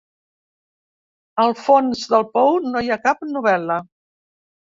Al fons del pou no hi ha cap novel·la.